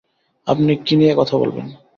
আপনি কী নিয়ে কথা বলবেন?